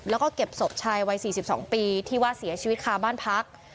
แล้วก็เก็บศพชายวัย๔๒ปีที่ว่าเสียชีวิตคาบ้านพัก